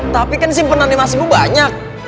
tapi kan simpen animasi ibu banyak